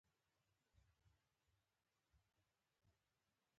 شېبه کې یې ما ته پیکه چای راوړ.